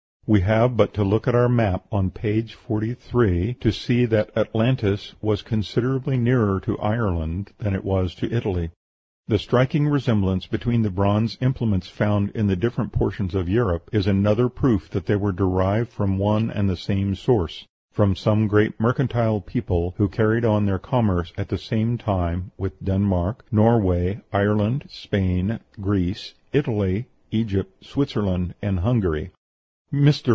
We have but to look at our map on page 43, ante, to see that Atlantis was considerably nearer to Ireland than it was to Italy. The striking resemblance between the bronze implements found in the different portions of Europe is another proof that they were derived from one and the same source from some great mercantile people who carried on their commerce at the same time with Denmark, Norway, Ireland, Spain, Greece, Italy, Egypt, Switzerland, and Hungary. Mr.